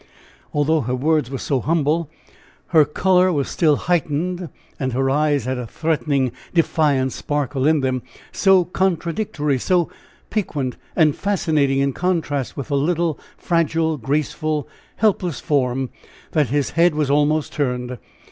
Although her words were so humble, her color was still heightened, and her eyes had a threatening, defiant sparkle in them, so contradictory, so piquant and fascinating in contrast with the little, fragile, graceful, helpless form, that his head was almost turned.